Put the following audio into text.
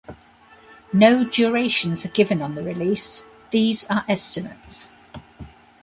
No durations are given on the release; these are estimates.